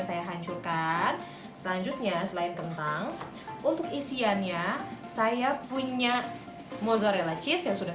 saya hancurkan selanjutnya selain kentang untuk isiannya saya punya mozzarella cheese yang sudah